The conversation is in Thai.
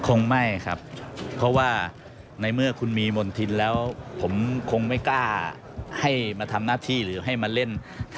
คงไม่ครับเพราะว่าในเมื่อคุณมีมณฑินแล้วผมคงไม่กล้าให้มาทำหน้าที่หรือให้มาเล่น